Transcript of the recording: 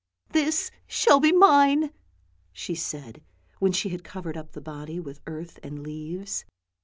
" This shall be mine! " she said, when she had covered up THE ROSE ELF 35 the body with earth and leaves.